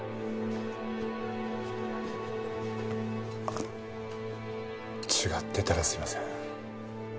あの違ってたらすいません。